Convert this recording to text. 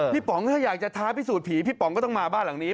พี่ป๋องถ้าอยากจะท้าพิสูจน์ผีก็ต้องมาบ้านหลังนี้